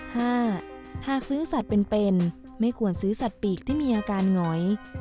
หากซื้อสัตว์เป็นเป็นไม่ควรซื้อสัตว์ปีกที่มีอาการหงอย